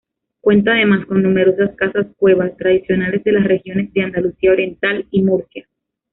Cuenta, además, con numerosas casas-cueva, tradicionales de las regiones de Andalucía Oriental y Murcia.